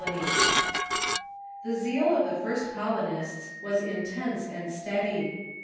] The zeal of the first colonists was intense and steady.